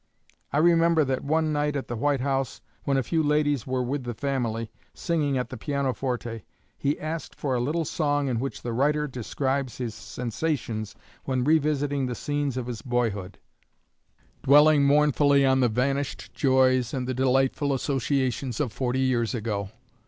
I remember that one night at the White House, when a few ladies were with the family, singing at the piano forte, he asked for a little song in which the writer describes his sensations when revisiting the scenes of his boyhood, dwelling mournfully on the vanished joys and the delightful associations of forty years ago.